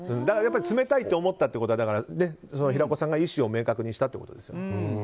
冷たいと思ったということは平子さんが意思を明確にしたということですね。